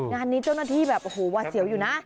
งานนี้เจ้าหน้าที่แบบโอ้โหวาเสียวอยู่นะ